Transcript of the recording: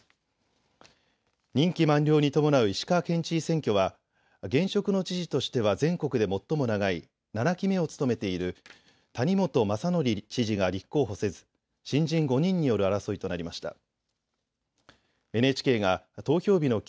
任期満了に伴う石川県知事選挙は現職の知事としては全国で最も長い７期目を務めている谷本正憲知事が立候補せず新人５人による争いとなりました。